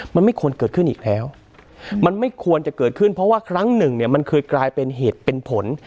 มันไม่ควรเกิดขึ้นอีกแล้วมันไม่ควรจะเกิดขึ้นเพราะว่าครั้งหนึ่งเนี่ยมันเคยกลายเป็นเหตุเป็นผล